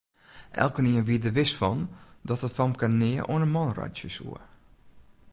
Elkenien wie der wis fan dat dat famke nea oan 'e man reitsje soe.